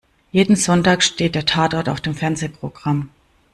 Jeden Sonntag steht der Tatort auf dem Fernsehprogramm.